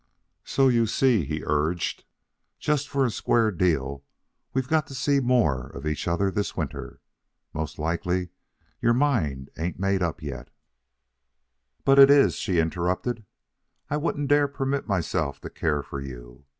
"So you see," he urged, "just for a square deal we've got to see some more of each other this winter. Most likely your mind ain't made up yet " "But it is," she interrupted. "I wouldn't dare permit myself to care for you.